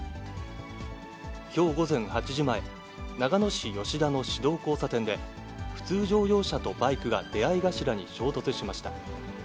きょう午前８時前、長野市吉田の市道交差点で、普通乗用車とバイクが出会い頭に衝突しました。